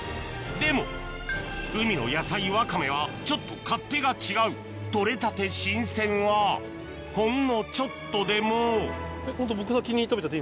でも海の野菜ワカメはちょっと勝手が違う採れたて新鮮はほんのちょっとでもホント僕先に食べちゃって？